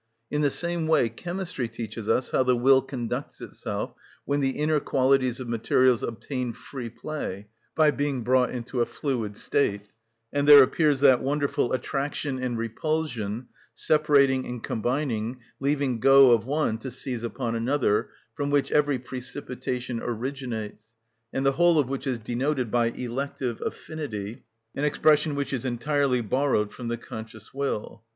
In the same way Chemistry teaches us how the will conducts itself when the inner qualities of materials obtain free play by being brought into a fluid state, and there appears that wonderful attraction and repulsion, separating and combining, leaving go of one to seize upon another, from which every precipitation originates, and the whole of which is denoted by "elective affinity" (an expression which is entirely borrowed from the conscious will).